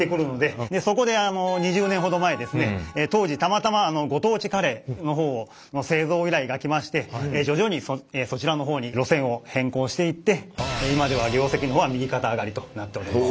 そこで２０年ほど前ですね当時たまたまご当地カレーの製造依頼が来まして徐々にそちらの方に路線を変更していって今では業績の方は右肩上がりとなっております。